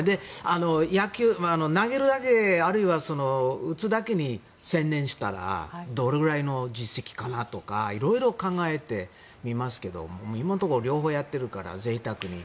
投げるだけ打つだけに専念したらどれぐらいの実績かなとか色々考えてみますけども今のところ両方やっているからぜいたくに。